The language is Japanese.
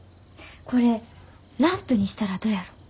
これランプにしたらどやろ？